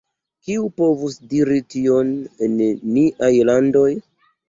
Kiu povus diri tion en niaj landoj?